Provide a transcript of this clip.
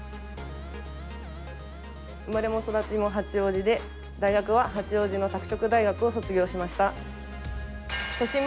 生まれも育ちも八王子で大学は八王子の拓殖大学を卒業しました。